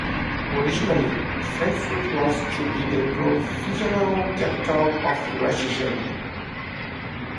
Originally, Frankfurt was to be the provisional capital of West Germany.